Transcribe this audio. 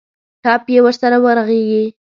ټپ یې ورسره ورغېږي.